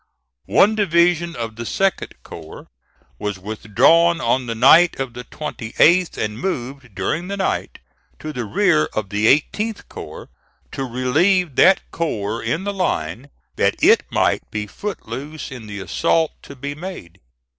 One division of the 2d corps was withdrawn on the night of the 28th, and moved during the night to the rear of the 18th corps, to relieve that corps in the line, that it might be foot loose in the assault to be made.